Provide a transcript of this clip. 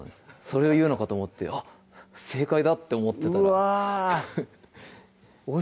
それを言うのかと思ってあっ正解だって思ってたらうわ